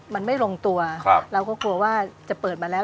มันไม่ลงตัวเราก็กลัวว่าจะเปิดมาแล้ว